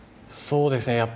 そうですね